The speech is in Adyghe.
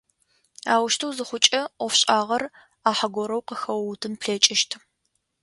Аущтэу зыхъукӏэ ӏофшӏагъэр ӏахьэ горэу къыхэуутын плъэкӏыщт.